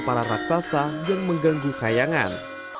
para raksasa yang mengganggu kayangan